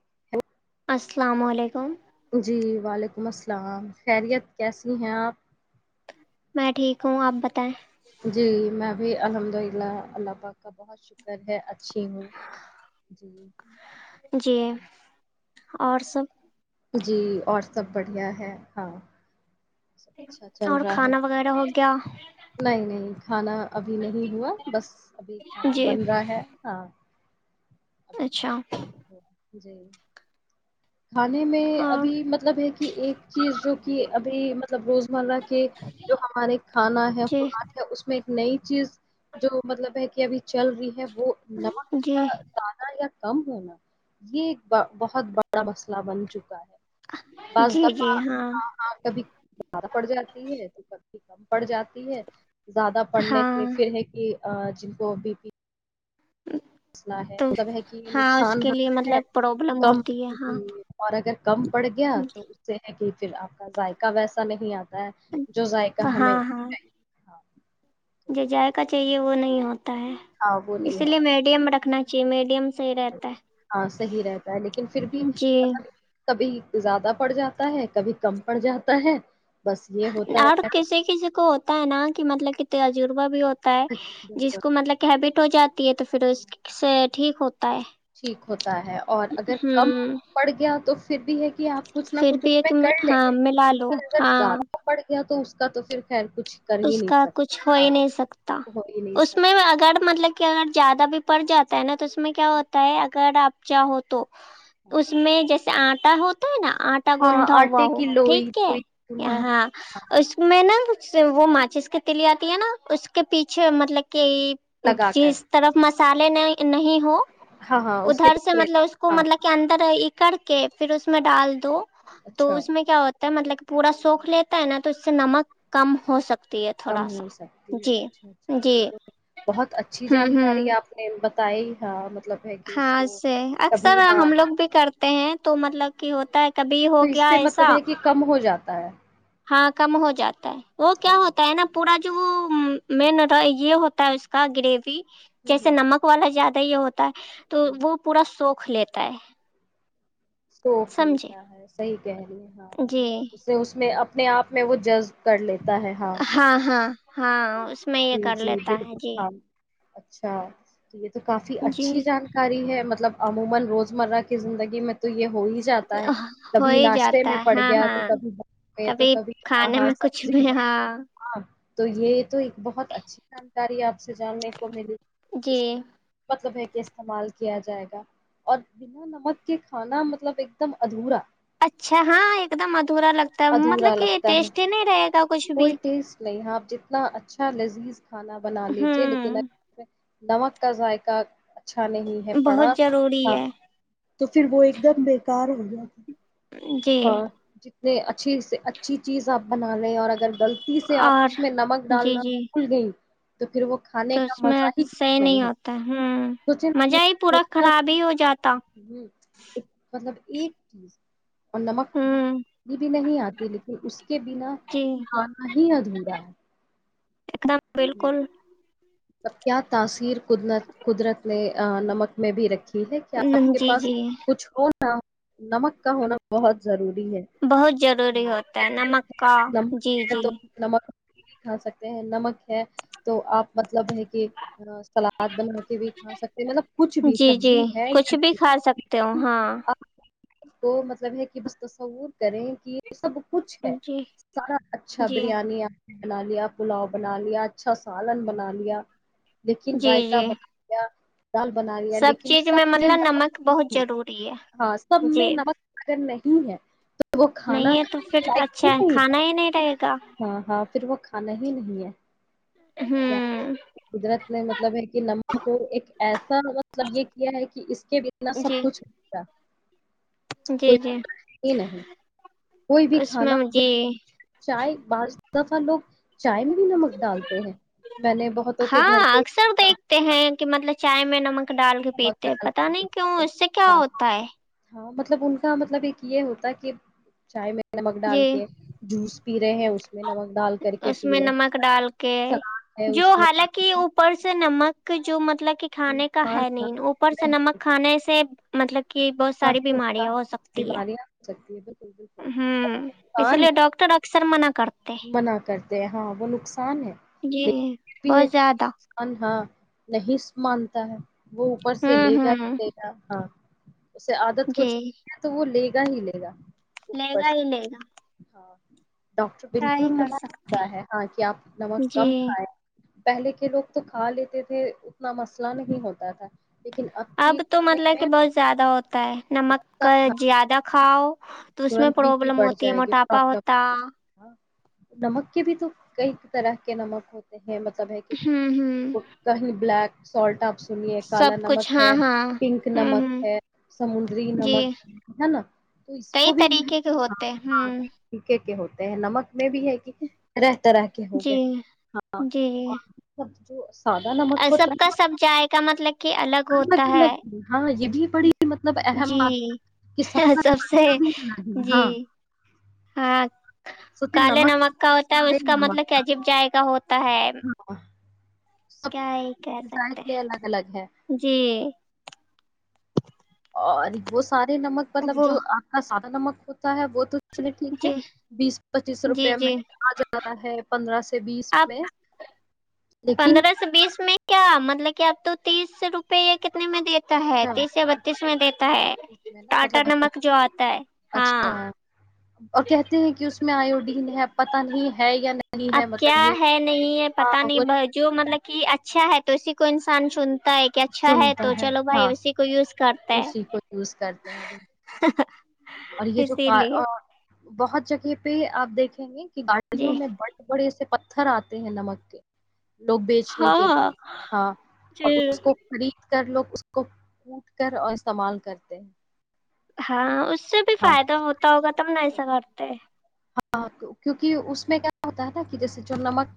[unintelligible] السلام علیکم جی وعلیکم السلام خیریت کیسی ہیں آپ میں ٹھیک ہوں آپ بتائیں جی میں الحمد للہ اللہ پاک کا بہت شکر ہے اچھ ہوںی جی اور سب جی اور سب بڑھیا ہے ہاں سب اچھا چل اور رہا ہے کھانا وغیرہ ہو گیا نہیں نہیں کھانا ابھی نہیں ہوا بس ابھی کھانا جی بن رہا ہے ہاں ابھی اچھا کھاناا جی کھانے میں اور ابھی مطلب ہے کہ ایک چیز جو کہ اب ج سب روزمرہ کے جو ہمارے کھانا ہے جی خوراک ہے اس میں نئی چیز جو مطلب ہے کہ ابھی چل رہی ہے وہ نمک جی کا زیادہ یا کم ہونا یہ ایک بہت بڑا مسئلہ بن چکا ہے بعض جی دفعہ جی ہاں کبھی [unintelligible] [unintelligible] زیادہ پڑھنے ہاں سے پھر ہے کہ [unintelligible] جن کو بی پی [unintelligible] تو ہاں اس کے لیے مطلب پرابلم ہوتی ہے ہاں کم پڑ گیا تو اس سے ہے کہ [unintelligible] پھر آپ کا ذائقہ ویسا نہیں آتا جو ذائقہ ہاں ہمیں ہاں تو جو بس، جائق چاہیے وہ نہیں ہو ہاں وہ نہیں اسی لیے ہوتا میڈیم رکھنا جی میڈیم صحیح رہتا ہاں صحیح رہتا ہے لیکن پھر بھی ہے جی مطلب کبھی زیادہ پڑ جاتا ہے کبھی کم پڑ جاتا ہے بس یہ ہوتا اور ہے کسی کسی کو ہوتا ہے نا کہ مطلب ت عجربا بھی ہو تا جس بالکل کو مطلب کہ ہیبٹ ہو جاتی ہے تو پھر اس سے ٹھیک ہوتا ہے ٹھیک ہوتا ہے اور اگر کم ہوں پڑ گیا تو س بھی ہے کہ آپ کچھ نہ پھر کچھ بھی اس میں ایک کر لیں ہاں گے ملا لو لیکن اگر ہاں زیادہ پڑ گیا تو اس تو پھر خیر کچھ کر ہی اس نہیں کا سکتے کچھ ہو ہاں ہی نہیں سکتا ہو ہی نہیں اس میں سکتا اگر مطلب کہ اگر زیادہ بھی پڑ جاتا ہے نا تو اس میں کیا ہوتا ہے اگر آپ چاہو تو اس میں جیسے آٹا ہوتا ہے نا آٹا ہاں گوھا ہوا آٹے ہو کی لوئی ٹھیک ہے لوئی چولہا ہاں اس میں نا وہ ماچس کے تلی آتی ہے نا اس کے پیچھے مطلب کہ کہ لگا کر جس طرف م سالے نہیں ہو ہاں ہاں اس کے ادھر سے دوسرے مطلب اس کو ہاں مطلب کہ اندر ایک کر کے پھر اس میں ڈال دو تو اچھا اس میں کیا ہوتا ہے مطلب پورا سوکھ لیتا ہے نا تو اس سے نمک کم ہو سکتا کم ہو سکتی ہے اچھا اچھا جی یہ تو بہت اچھی ہوں ہوں جانکاری آپ نے تائی ہاں مطلب ہے کہ اس ہاں کو سے اکثر کبھی ہاں ہم لوگ بھی کرتے ہیں تو مطلب کہ ہوتا ہے کبھی ہو گیا ایسا سر ہاں کم ہو جاتا ہے وہ کیا ہو ہوتا ہے ہوں نا پورا جو جو وہ م یہ ہوتا ہے اس کا گریوی جیسے ہوں نمک والا جاتد ت ہو تو ہوں وہ پورا سوق رکھ لیتا ہے سوکھ سمجھے لیتا ہے صحیح کہ رہ ہاں ہاں جی اس اس میں اپنے آپ میں وہ جذ ہاں ہاں ہاں اس میں یہ جی کر جی لیتا ہے بالکل جی ہاں اچھا تو یہ تو کافی جی اچھی جانکاری ہے مطلب [unintelligible] جاتا ہے ہو کبھی ہی ناشتے جاتا میں ہے پڑ ہاں گیا تو ہاں کبھی ب گئے تو کبھی ہ کھانے میں کچھ سبزی بھی میں ہاں تو یہ تو بہت اچھی جانکاری آپ سے جاننے کو ملی جی اس مطلب ہے کہ استعمال کیا جائے گا اور بنا نمک کے کھانا مطلب ایک دم ادھورا اچھا ہاں ایک دم ادھورا لگتا ہے ادھورا مطلب کہ لگتا ہے ٹیسٹی نہیں رہے گا کچھ بھی کوئی ٹیسٹ نہیں ہے آپ جتنا اچھا لذیذ کھانا بنا لیجے لیکن ہوں نمک کا ذائق اچھا نہیں ہے پڑا بہت ضروری ہاں ہے تو پھر وہ ایک دم بکار ہو ج جی اچھی سے اچھی چیز آپ بنا لیں اور اگر غلطی سے آپ اس اور میں نمک جی ڈالنا جی بھول گئی تو پھر وہ کھانے تو کا اس میں مزہ صح ہی کچھ نہیں ہے ہوتا ہ سوچے نا مزہ ہی پورا کہ خراب ہی ہو جاتا ہوں، ایک مطلب ایک چیز اور نمک ہوں بت بھی نہیں آتی لیکن اس کے بنا جی کھانا ہی ادھورا ہے ایک دم بالکل اب کیا تاثیر قدرت نے نمک میں بھی رکھی ہے کیا آپ کے جی پاس جی کچھ اور ہ نمک کا ہونا بہت ضروری ہے بہت ضروری ہوں ہوتا ہے کہتے ہیں نمک نا کہ کا اگر جی نمک ہے جی تو نمک کھا سکتے ہیں نمک ہے تو آپ مطلب ہے کہ سلاد بنا کے بھی کھا سکتے مطلب کچھ بھی جی جی سبزی ہے کچھ بھی کھا سکتے ہو یاپ ہاں کو مطلب ہے کہ بس تصور کریں کہ یہ سب کچھ ہے جی سارا اچھا جی بریانی بنا لیا پلاؤ بنا لیا لیا اچھا سالن بنا لیا لیکن جی رائتا جی بنا گیا دال بنا لیا لیکن چیز سب میں مطلب نمک بہت ن ضروری ہے ہاں سب جی میں نمک وگر نہیں ہے تو وہ کھانا نہیں ہے ک تو پھر لائق ہی اچھا نہیں کھانا ہی نہیں رہے گا ہاں ہاں پھر وہ نہیں ہی نہیں ہے کیا ہوں قدرت میں مطلب ہے کہ نمک کو ایک ایسا مطلب یہ کیا ہے کہ اس کے بنا سب جی کچھا جی جی نہیں کوئی بھی اس میں کھانا جی چائے بعض دفہ لوگ چائے میں بھی نمک ڈالتے ہیں میں نے بہتوں کے گھر ہاں کے اکثر دیکھتے ہیں کہ مطلب چائے میں ن ڈال کے نمک پیتے ڈال پتا نہیں کیوں پیتے ہیں۔ اس سے کیا ہاں ہوتا ہے ہاں مطلب ان کا مطلب ایک یہ ہوتا ہے کہ چائے میں نمک ڈال جی کے جوس پی رہے ہیں اس میں نمک ڈال کر کے اس پی میں رہے نمک ہیں ڈال کے سلاد ہے جو اس میں حالانکہ اوپر سے نمک کہ جو مطلب کھانے کا نقصان ہے تھا نہیں اوپر سے نہیں، نمک کھانے سے مطلب کہ بہت ساری کافی بیماریاں نقصان ہو سکتی ہے بیماریاں ہو سکتی ہے بالکل بالکل ہ اسی نقصان لیے ہے ڈاکٹر اکثر منع کرتے منع کرتے ہیں ہاں وہ نقصان ہے جی لیکن بھی ہے بہت زیادہ نقان ہاں نہیں مانتا ہے وہ اوپر سے لے ہوں گا ہوں ہی لے گا ہاں اس سے عادت ہو جی چکی ہے تو وہ لے گ ہیلے گا لے اوپر گا سے ہی لے گا ہاں کیا ہی بالکل کر سکتے منتا ہے ہاں کہ آپ نمک جی کم کھائیں پہلے کے لوگ تو کھا لیتے تھے اتنا مسئلہ نہیں ہوتا تھا لیکن اب کے تو کھانے مطلب کہ میں بہت زیادہ ہوتا ہے نمک کا زیادہ کھاؤ تو اس میں ترنت بی پی پروابلم بڑھ ہوتی ہے جائے گی موٹاپا ہوتا پرابلم ہاں نمک کے بھی تو کئی طرح کے نمک ہوتے ہیں ہے مطلب ہے کہ ہوں ہوں وہ کہیں بلیک سالٹ اپس سے کالا سب کچھ نمک ہاں ہے ہاں پنک ہوں نمک ہوں ہے سمندری جی نمک ہے نا تو اس کئی بھی طریقے کے ہاں ہوتے ہیں ہاں ہوں طریقے ہوتے ہیں نمک میں بھی ہے کہ رہ طرح کے ہو جی گئے ہاں جی جو سادہ نمک جی ہوتا سب کا سب جائقہ مطلب کہ الگ ہوتا ہے ج پڑی جی کا سب سے الگ الگ ہے، جی ہاں ہاں سوچے کالے نمک کا ہوتا ہے سارے اس کا مطلب کہ نمک عجیب جائے گا ہوتا ہے ا [unintelligible] ہاں سب کیا یہ کہ سکتے ذائقے الگ الگ ہے ہیں جی اور ب سارے نمک مطلب وہ جو آپ کا نمک ہوتا ہے وہ تو چلیے ٹھیک ہے جی بیس پچیس جی روپے جی میںن آ جا رہا ہے پندرہ سےو سے بیس آپ میں لیکن پندرہ سے بیس میں کیا مطلب کہ آپ تو تیس روپئے ایک کتنے میں دیتا ہے اچھا تیس یا بتیس میں دیتا اچھا، ہے پچیس میں نا ٹاٹا مطلب نمک جو آتا ہے ہاں اچھا اور کہتے ہیں کہ اس میں آیوڈین ہے پتا نہیں ہے یا نہیں اب ہے کیا مطلب یہ ہے نہیں ہے ہاں پتا وہ نہیں جو مطلب کہ اچھا ہے تو اسی کوئی انسان چن تا ہے کہ اچھا ہے چنتا تو چلو بھائی ہاں اسی کو یوز کرتا اسی ہے کو یوز کرتے ہیں بالکل اور یہ جو اسی لیے بہت جگہ پ آپ دیکھیں گے گاڑیوں جی میں بڑے بڑے سے پ پتھر آتے ہیں نمک کے لوگ بیچنے کے ہاں لیے ہاں اور جی اس کو خرید کر لوگ اس کو کووٹ کر اور استعمال کرتے ہیں ہاں اس سے بھی ہاں فائدہ ہوتا ہوگا تب نہ ایسا کرتے ہاں کیونک اس میں کیا ہوتا ہے کہ جیسے جو نمک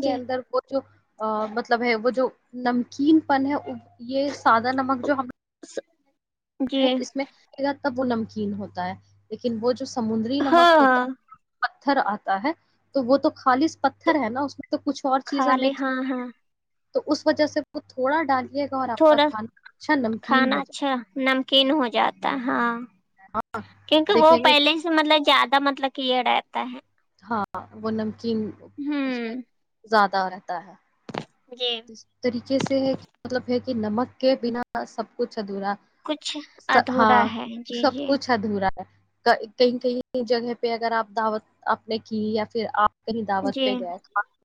کے جی اندر وہ جو ا مطلب ہے وہ جو نمکین پن ہے یہ سادہ نمک جو ہم [unintelligible] ہیں اس میں تب وہ نمکین ہوتا ہے لیکن وہ جو سمندری ہاں نمک ہوتا ہاں ہے پتھر آتا ہے تو وہ تو خالص پتھر ہے نا اس میں تو کچھ اور کھا چیز ہے لے مکس ہاں ہاں تو اس وجہ سے وہ تھوڑا ڈال گا اور آپ کا تھوڑا کھانا اچھا نمکین کھانا ہو جائے اچھا گا نمکین ہو جاتا ہاں گا آپ کیونکہ وہ دیکھیں گے پہلے سے مطلب زیادہ مطلب کیڑ تد ہاں وہ اس ہوں زیادہ رہتا ہے جی اس طریقے سے ہے کہ مطلب ہے کہ کہ نمک کے بنا سب کچھ ادھورا کچھ ادھورا ہاں ہے جی سب جی کچھ ادھورا ہے کہیں کہیں جگہ پہ اگر آپ دعوت آپ نے کی یا پھر آپ کیں دعوت جی پہ گئے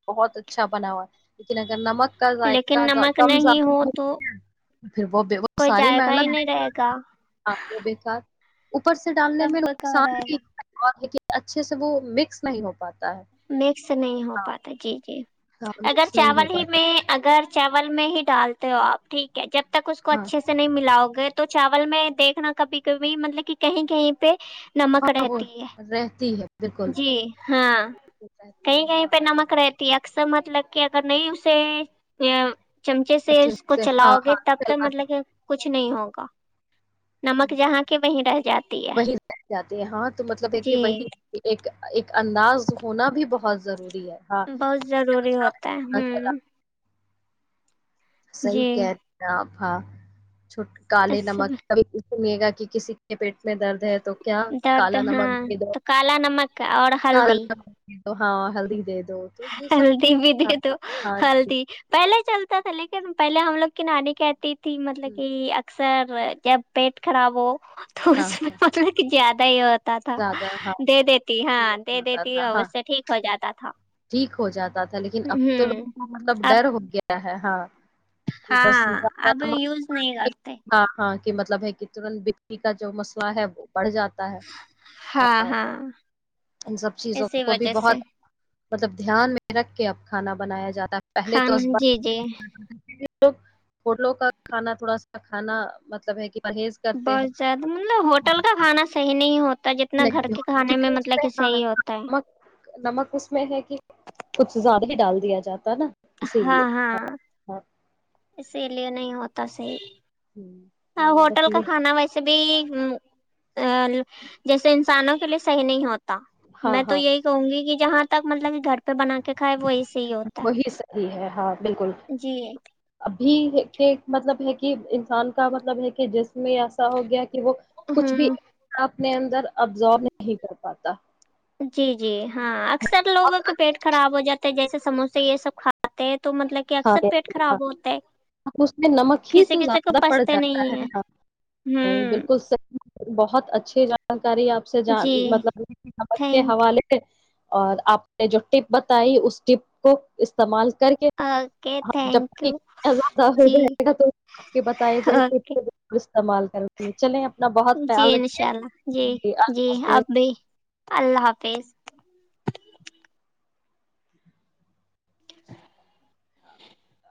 بہت اچھا بنا ہوا ہے لیکن اگر نمک لیکن نمک ذائقہم نہیں ہو تو پھر وہ کوئی ساری جائقہ ہی نہیں محنت رہے گا وہ بیکار اوپر سے ڈالنے سب میں بکا نقصان رہے بھی گا لیکن اچھے سے وہ مکس نہیں ہو پاتے نیکسٹ [unintelligible] نہیں ہو پاتا جی جی ہاں اگر مکس نہیں ہو چاول ہی پاتا میں اگر چاول میں ہی ڈالتے ہو آپ ٹھیک ہے جب تک اس کو ہاں اچھے سے نہیں ملاؤ گگر تو چاول میں دیکھنا کبھی کبھی مطلب کہ کہیں کہیں پہ نمک ہاں وہ رہتی ہے رہتی ہے بالکل جی ہاں رہتی کہیں ہے کہیں ہاں پہ نمک رہتی اکثر مطلب کہ اگر نہیں اسے چمچے سے اچھے اس کو ہاں چلاؤ گے ہاں تب تک چلاتے مطلب کہ کچھ نہیں ہوگا نمک جہاں کی وہیں رہ جاتی ہے وہ جاتے ہیں ہاں تو مطلب ہے جی کہ وہی ایک انداز ہونا بھی بہت ضروری ہے ہاں بہت ضروری ہوتا ہے اچھا ہوں چلا صحیح کہہ رہ ہیں آپ ہاں چھوٹ کالے اس نمکبھی سنیے گا کہ کسی کے پیٹ میں درد ہے تو کیا درد کالا ہاں نمک دے تو کالا نمک اور دوالا ہلدی ہاں ہلدی دے دو تو یہ سب ہلدی بھی ہاں دے تو ہاں ہلدی پہلے چلتا لیکن پہے ہم لوگ نانی کہتی تھی مطلب کہ اکر سر جب پیٹ خراب ہو تو ہاں اس میں مطلب کہ زیادہ دیات تھا زیادہ ہاں دے دیتی ہاں دے ہوتا دیتی تھا اور ہاں اس سے ٹھیک ہو جاتا تھا ٹھیک ہو جاتا تھا لیکن اب تو لوگوں ہوں کو مطلب اب ڈر ہو گیا ہے ہاں کہ بس ہاں زیادہ اب نمک یوز نہیں کرتے ہاں ہاں کہ مطلب ہے کہ ترنت بتی کا جو مسئلہ ہے وہ بڑھ جاتا ہے ہاں ہاں ان سب چیزوں اسی کو بھی وجہ سے بہت مطلب دھیان میں رکھ کے اب کھانا بنایا جاتا پہلے تو کھانا ب جی جی لو ہوٹلوں کا کھانا تھوڑا سا کھانا مطلب ہے کہ پرہیز کرتے ہیں بہت زیادہ مطلب ہوٹل کا کھانا صحیح نہیں ہوتا جتنا گھر نہیں کے کھانے کیونکہ میں اس مطلب کہ صحیح ہوتا ہے نمک نمک اس میں ہے کہ کچھ زیادہ بھی ڈال دیا جاتا ہے نا اسی ہاں لیے ہاں ہاں اسی لیے نہیں ہوتا صحی ہوں، ہ نہیں بس ہوٹل کا یہ کھانا ویسے بھی ا جیسے انسانوں کے لیے صحیح نہیں ہوتا ہاں میں تو ہاں یہی کہوں گی کہ جہاں تک مطلب کہ گھر پہ بنا کے کھائے وہی سے ہی ہوتا وہی صحیح ہاں بالکل ہے جی ابھی کہ مطلب ہے کہ انسان کا مطلب ہے کہ جسم میں ایسا ہو گیا کہ وہ کچھ بھی ہوں آپ نے اندر ابزارو نہیں کر پاتا جی جی ہاں اکثر اور لوگوں کے پیٹ خراب ہو جاتے ہیں جیسے سموسے یہ سب کھاتے ہیں تو مطلب کہ اکثر پیٹ خراب ہوتا ہے اس میں نمک ہی کسی تو کسی کو زیادہ پڑ پچتے جاتا نہیں ہے ہاں نہیں ہوں بالکل بہت اچھے جان [unintelligible] اری آپ سے جان جی مطلب کہ نمک کے تھینک حوالے اور آپ نے جو ٹپ بتائی اس ٹپ کو استعمال کر اوکے جب تھینک یو زدہ ہو جی جائے گا تو آپ بتائے گیا اوکے [unintelligible] استعمال کریںے چلیں بہت جی خیال رکھیے انشاء اللہ جی جی اللہ حافظ اب بھی اللہ حافظ تیز [unintelligible]